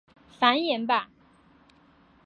繁衍吧！